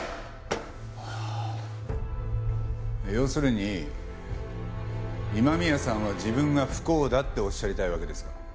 要するに今宮さんは自分が不幸だっておっしゃりたいわけですか？